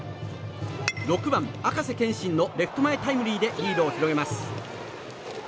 ６番、赤瀬健心のレフト前タイムリーでリードを広げます。